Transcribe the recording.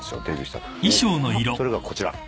それがこちら。